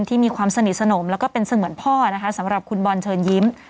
ที่มีความสนิทสนมแล้วก็เป็นเสมือนพ่อนะคะสำหรับคุณบอลเชิญยิ้ม